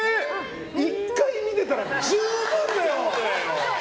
１回見てたら十分だよ！